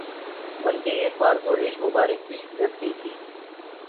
بلکہ ایک بار تو ریش مبارک بھی رکھ لی تھی